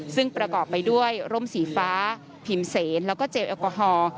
ซึ่งประกอบไปด้วยร่มสีฟ้าพิมพ์เซนแล้วก็เจลแอลกอฮอล์